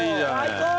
最高！